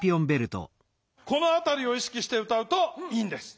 このあたりを意識して歌うといいんです。